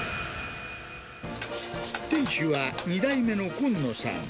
店主は２代目の今野さん。